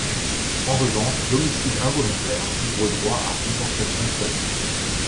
En revanche, l'homicide involontaire ouvre droit à compensation seulement.